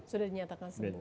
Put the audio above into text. sudah dinyatakan sembuh